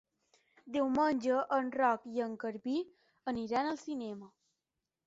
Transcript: Diumenge en Roc i en Garbí aniran al cinema.